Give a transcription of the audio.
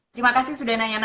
terima kasih sudah nanya nak